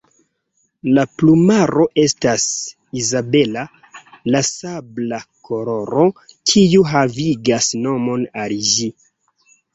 La plumaro estas izabela, la sabla koloro kiu havigas nomon al ĝi.